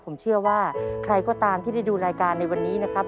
ผมเชื่อว่าใครก็ตามที่ได้ดูรายการในวันนี้นะครับ